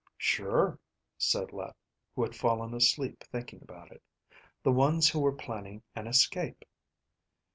"Sure," said Let, who had fallen asleep thinking about it. "The ones who were planning an escape."